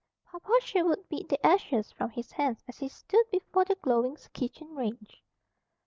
Papa Sherwood beat the ashes from his hands as he stood before the glowing kitchen range.